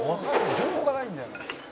情報がないんだよね」